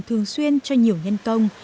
thường xuyên cho nhiều nhân công